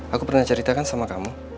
aku pernah ceritakan sama kamu